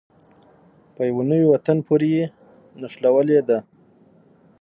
په يوه نوي وطن پورې یې نښلولې دي.